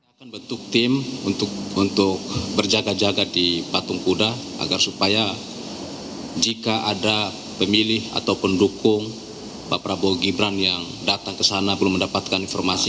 kita akan bentuk tim untuk berjaga jaga di patung kuda agar supaya jika ada pemilih atau pendukung pak prabowo gibran yang datang ke sana belum mendapatkan informasi